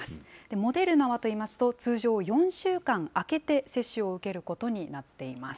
モデルナはといいますと、通常４週間空けて接種を受けることになっています。